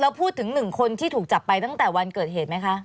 พูดถึง๑คนที่ถูกจับไปตั้งแต่วันเกิดเหตุไหมคะ